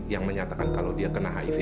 yang menyatakan kalau dia kena hiv